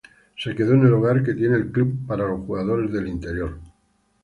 Se quedó en el hogar que tiene el club para los jugadores del interior.